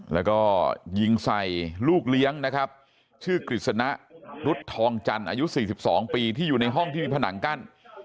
แล้วก็ยิงใส่ลูกเลี้ยงนะครับชื่อกฤษณะรุดทองจันทร์อายุ๔๒ปีที่อยู่ในห้องที่มีผนังกั้น